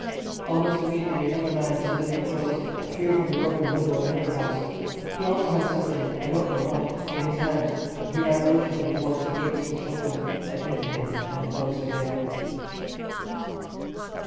Almost immediately another man in civilian clothes appeared from the broken window of another house. He also had something (I don't know what) in his hand. He ran urgently towards the gates, which opened, admitted him, and closed again.